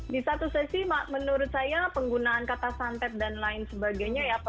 di satu sesi menurut saya penggunaan kata santet dan lain sebagainya ya